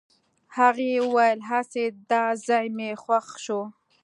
هغې وويل هسې دا ځای مې خوښ شو.